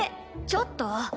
ちょっと！